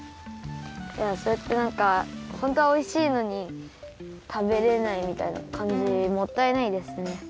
いやそうやってなんかほんとはおいしいのにたべれないみたいなかんじもったいないですね。